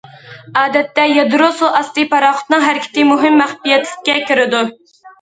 ئادەتتە يادرو سۇ ئاستى پاراخوتىنىڭ ھەرىكىتى مۇھىم مەخپىيەتلىككە كىرىدۇ.